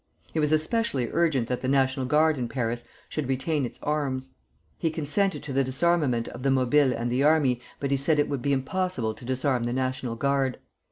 He was especially urgent that the National Guard in Paris should retain its arms. He consented to the disarmament of the Mobiles and the army, but he said it would be impossible to disarm the National Guard.